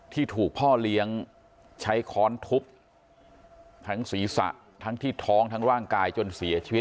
ที่ถูกพ่อเลี้ยงใช้ค้อนทุบทั้งศีรษะทั้งที่ท้องทั้งร่างกายจนเสียชีวิต